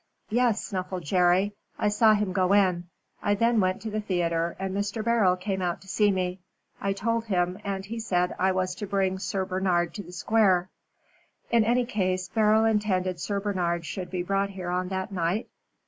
"Yes," snuffled Jerry. "I saw him go in. I then went to the theatre, and Mr. Beryl came out to see me. I told him, and he said I was to bring Sir Bernard to the Square." "In any case, Beryl intended Sir Bernard should be brought there on that night?"